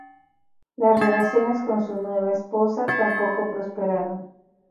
Las relaciones con su nueva esposa tampoco prosperaron.